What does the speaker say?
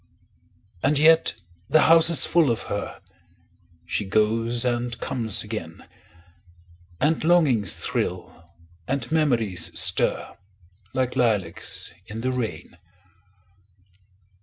And yet the house is full of her; She goes and comes again; And longings thrill, and memories stir, Like lilacs in the rain.